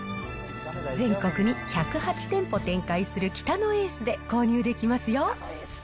全国に１０８店舗展開する北野エースで購入できますよ。